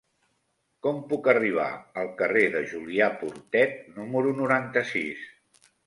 Com puc arribar al carrer de Julià Portet número noranta-sis?